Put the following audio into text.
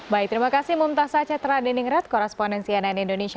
baik terima kasih mumtaz aceh teradiningrat korrespondensi ann indonesia